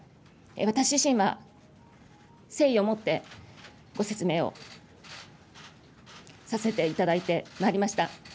私自身は誠意をもってご説明をさせていただいてまいりました。